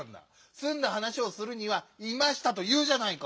すんだはなしをするには「いました」というじゃないか！